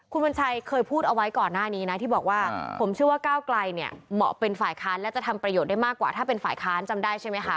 คุณวัญชัยเคยพูดเอาไว้ก่อนหน้านี้นะที่บอกว่าผมเชื่อว่าก้าวไกลเนี่ยเหมาะเป็นฝ่ายค้านและจะทำประโยชน์ได้มากกว่าถ้าเป็นฝ่ายค้านจำได้ใช่ไหมคะ